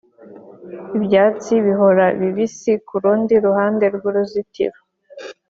ibyatsi bihora bibisi kurundi ruhande rwuruzitiro